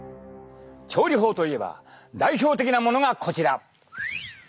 調理法といえば代表的なものがこちら。